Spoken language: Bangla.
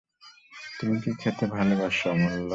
তুমি কী খেতে ভালোবাস অমূল্য?